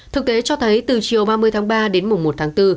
thực tế cho thấy từ chiều ba mươi tháng ba đến mùng một tháng bốn